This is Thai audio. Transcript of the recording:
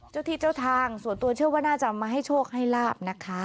เจ้าที่เจ้าทางส่วนตัวเชื่อว่าน่าจะมาให้โชคให้ลาบนะคะ